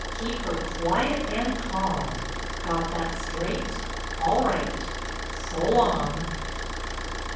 Keep her quiet and calm. Got that straight? All right—so long."